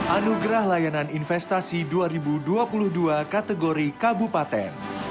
anugerah layanan investasi dua ribu dua puluh dua kategori kabupaten